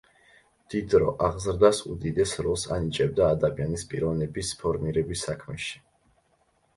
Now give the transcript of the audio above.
დიდრო აღზრდას უდიდეს როლს ანიჭებდა ადამიანის პიროვნების ფორმირების საქმეში.